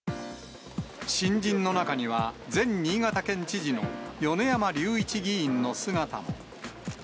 新人の中には、前新潟県知事の米山隆一議員の姿も。